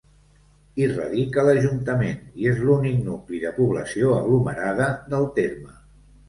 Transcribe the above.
Hi radica l'ajuntament i és l'únic nucli de població aglomerada del terme.